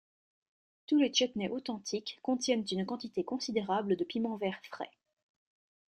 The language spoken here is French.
Tous les chutneys authentiques contiennent une quantité considérable de piments verts frais.